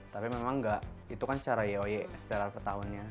tapi memang gak itu kan secara yoy setelah petaunnya